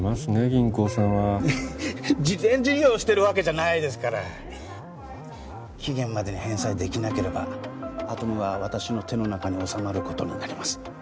銀行さんは慈善事業をしてるわけじゃないですから期限までに返済できなければアトムは私の手の中に収まることになります